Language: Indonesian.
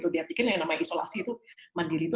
dia pikir yang namanya isolasi itu